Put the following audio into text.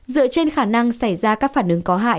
dựa trên khả năng xảy ra các phản ứng có hại